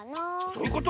そういうこと？